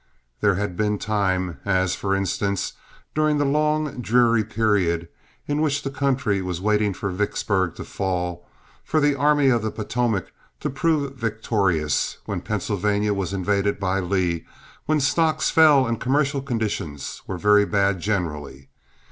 There had been times—as, for instance, during the long, dreary period in which the country was waiting for Vicksburg to fall, for the Army of the Potomac to prove victorious, when Pennsylvania was invaded by Lee—when stocks fell and commercial conditions were very bad generally.